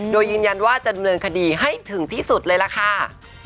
โดยยืนยันว่าจะดำเนินคดีให้ถึงที่สุดเลยล่ะค่ะ